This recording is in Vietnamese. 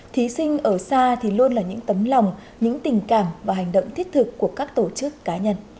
thí sinh ở xa thì luôn là những tấm lòng những tình cảm và hành động thiết thực của các tổ chức cá nhân